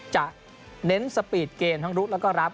จะเน้นสปีดเกมทั้งรุกแล้วก็รับ